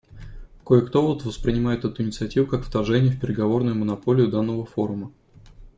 Кое-то вот воспринимает эту инициативу как вторжение в переговорную монополию данного форума.